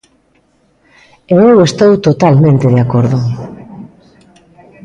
E eu estou totalmente de acordo.